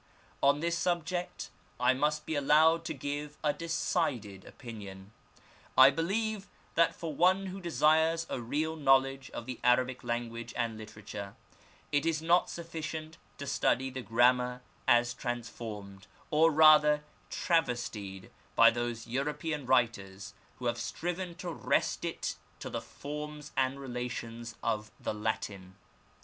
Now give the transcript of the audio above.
On this subject I must be allowed to give a decided opinion. I believe that for one who desires a real knowledge of the Arabic language and literature it is not sufficient to study the grammar as transformed, or rather travestied, by those European writers who have striven to wrest it to the forms and relations of the Latin.